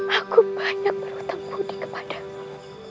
aku banyak berhutang budi kepadamu